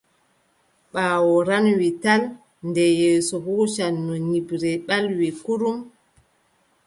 Ɓaawo ranwi tal nde yeeso huucanno nyiɓre ɓalwi kurum.